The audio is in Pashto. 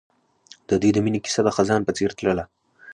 د دوی د مینې کیسه د خزان په څېر تلله.